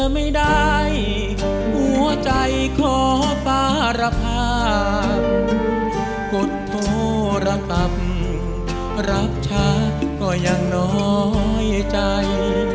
ไม่ได้หัวใจขอสารภาพกดโทรศัพท์รักฉันก็ยังน้อยใจ